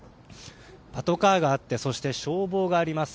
パトカーがあってそして消防があります。